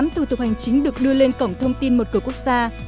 sáu mươi tám thủ tục hành chính được đưa lên cổng thông tin một cửa quốc gia